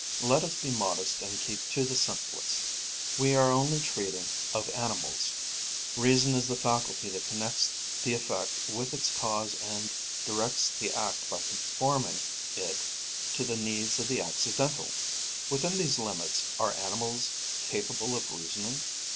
Let us be modest and keep to the simplest: we are only treating of animals. Reason is the faculty that connects the effect with its cause and directs the act by conforming it to the needs of the accidental. Within these limits, are animals capable of reasoning?